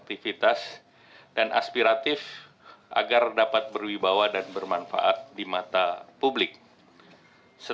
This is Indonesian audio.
pembahasan sesuai dengan tahapan dan mekanisme yang ada di internal partai golkar